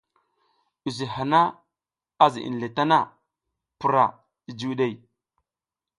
Use hana a ziʼinle tana, pura jijiwiɗey.